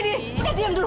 udah diam dulu